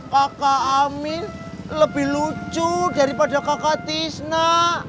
kakak amin lebih lucu daripada kakak tisna